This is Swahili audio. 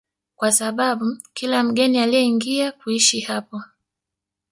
kwa sababu kila mgeni alieingia kuishi hapo